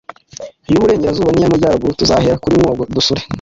iy’Uburengerazuba n’iy’Amajyaruguru. Tuzahera kuri Mwogo, dusure